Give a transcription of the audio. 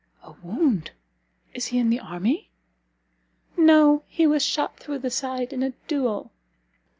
"A wound? is he in the army?" "No, he was shot through the side in a duel."